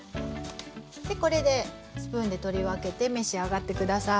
これでスプーンで取り分けて召し上がって下さい。